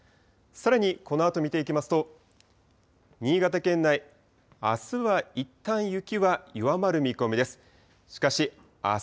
さらにこのあと見ていきますと、新潟県内、あすはいったん雪は弱まる見込みです。